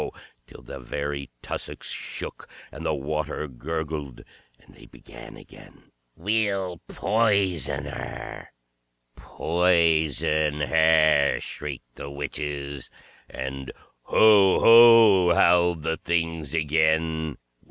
till the very tussocks shook and the water gurgled. And they began again. "We'll poison her poison her!" shrieked the witches. And "Ho, ho!" howled the Things again.